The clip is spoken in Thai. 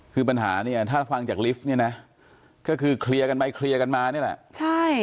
คือปัญหาเนี่ยถ้าฟังจากลิฟต์เนี่ยนะก็คือเคลียร์กันไปเคลียร์กันมานี่แหละใช่